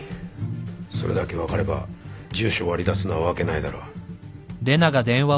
それだけ分かれば住所を割り出すのは訳ないだろ？